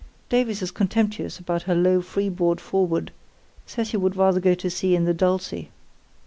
Davis is contemptuous about her low freeboard forward; says he would rather go to sea in the Dulce.